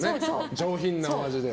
上品なお味で。